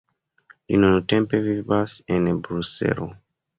Li nuntempe vivas en Bruselo.